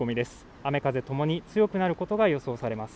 雨風ともに強くなることが予想されます。